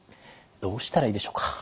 どうしたらいいでしょうか？